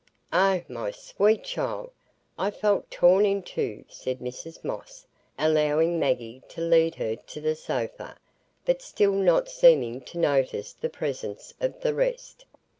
"Oh, my sweet child, I feel torn i' two," said Mrs Moss, allowing Maggie to lead her to the sofa, but still not seeming to notice the presence of the rest.